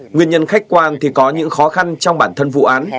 nguyên nhân khách quan thì có những khó khăn trong bản thân vụ án